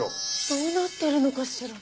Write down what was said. どうなってるのかしら？